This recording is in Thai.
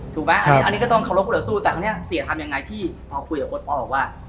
ถูกไหมอันนี้อันนี้ก็ต้องเคารพสู้แต่ตอนเนี้ยเสียธรรมยังไงที่พอคุยกับพอบอกว่า